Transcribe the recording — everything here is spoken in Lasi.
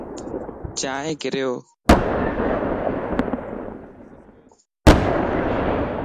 چائين ڪريو